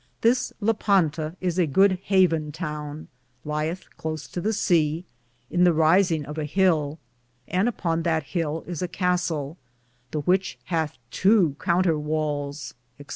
This Lippanta is a good haven toone, lyethe close to the sea, in the risinge of a hill, and upon that hill is a castell, the which hathe 2 counter wales, etc.